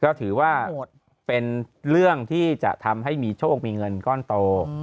ก็ถือว่าเป็นเรื่องที่จะทำให้มีโชคมีเงินก้อนโต